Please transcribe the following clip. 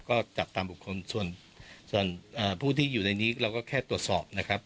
ก็จับตามบุคคลส่วนผู้ที่อยู่ในนี้เราก็แค่ตรวจสอบนะครับ